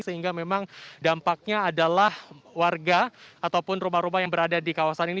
sehingga memang dampaknya adalah warga ataupun rumah rumah yang berada di kawasan ini